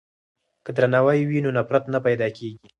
که درناوی وي نو نفرت نه پیدا کیږي.